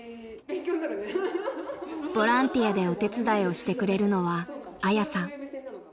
［ボランティアでお手伝いをしてくれるのは］